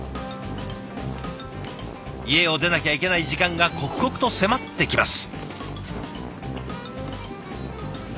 家を出なきゃいけない時間が刻々と迫ってきます。